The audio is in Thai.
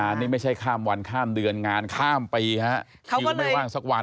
อันนี้ไม่ใช่ข้ามวันข้ามเดือนงานข้ามปีฮะคิวไม่ว่างสักวัน